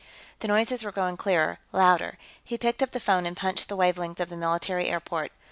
The noises were growing clearer, louder. He picked up the phone and punched the wavelength of the military airport.